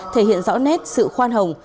thể hiện rõ nét sự khoan hồng